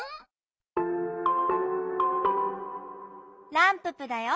ランププだよ。